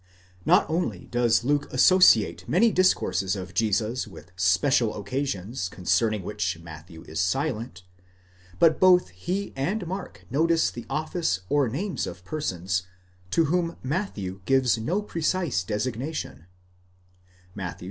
Not only does Luke associate many discourses of Jesus with special occasions concerning which Matthew is silent, but both he and Mark notice the office or names of per sons, to whom Matthew gives no precise designation (Matt. ix.